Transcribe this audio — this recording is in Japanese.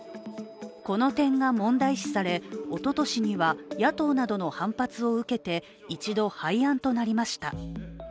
この点が問題視され、おととしには野党などの反発を受けて一度、廃案となりました。